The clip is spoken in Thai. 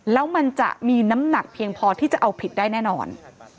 แล้วมันจะมีน้ำหนักเพียงพอที่จะเอาผิดได้แน่นอน